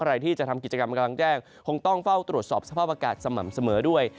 ใครที่จะทำกิจกรรมกำลังแจ้งคงต้องเฝ้าตรวจสอบสภาพอากาศสม่ำเสมอด้วย